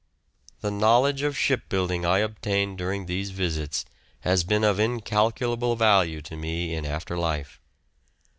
The knowledge of shipbuilding I obtained during these visits has been of incalculable value to me in after life.